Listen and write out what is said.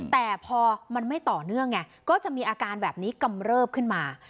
แต่พอมันไม่ต่อเนื่องไงก็จะมีอาการแบบนี้กำเริบขึ้นมา